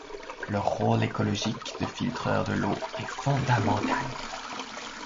Leur rôle écologique de filtreurs de l'eau est fondamental.